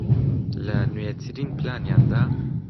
لە نوێترین پلانیاندا